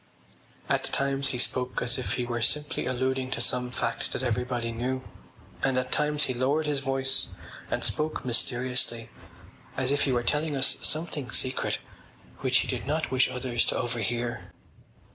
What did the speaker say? At times he spoke as if he were simply alluding to some fact that everybody knew, and at times he lowered his voice and spoke mysteriously as if he were telling us something secret which he did not wish others to overhear.